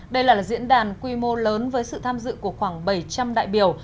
đây là diễn đàn quy mô lớn với sự tham dự của khoảng bảy trăm linh đại biểu